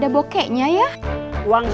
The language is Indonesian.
aku jakak bahan renang